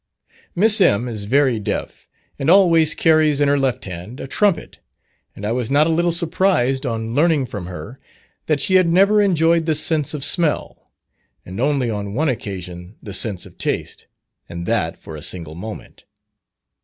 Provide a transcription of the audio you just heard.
Miss M. is very deaf and always carries in her left hand a trumpet; and I was not a little surprised on learning from her that she had never enjoyed the sense of smell, and only on one occasion the sense of taste, and that for a single moment.